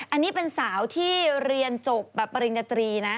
อันนี้เป็นสาวที่เรียนจบแบบปริญญาตรีนะ